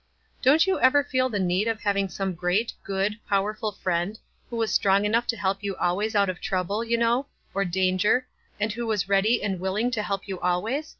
"Don't you ever feel the need of having some great, good, powerful friend, who was strong enough to help you always out of trouble, you know, or danger, and who was ready and willing to help you always?"